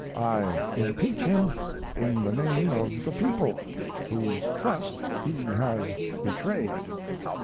I impeach him in the name of the people, whose trust he has betrayed.